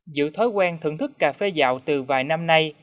giữa thói quen thưởng thức cà phê dạo từ vài năm nay